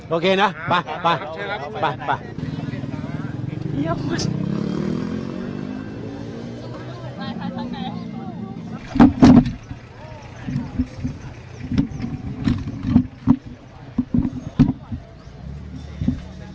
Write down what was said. โอเคนะไปไปไปไป